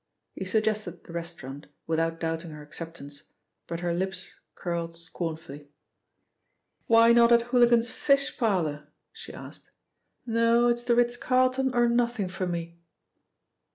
He suggested the restaurant, without doubting her acceptance, but her lips curled scornfully. "Why not at Hooligans Fish Parlour?" she asked. "No, it's the Ritz Carlton or nothing for me." Mr.